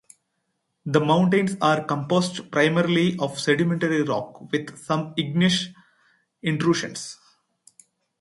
The mountains are composed primarily of sedimentary rock with some igneous intrusions.